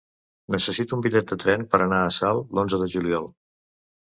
Necessito un bitllet de tren per anar a Salt l'onze de juliol.